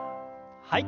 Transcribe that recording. はい。